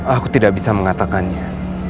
aku tidak bisa mengatakannya